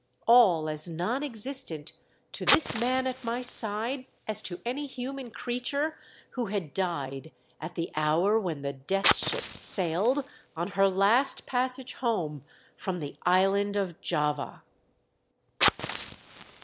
All as non existent to this man at my side as to any human creature who had died at the hour when the Death Ship sailed on her last passage home from the island of Java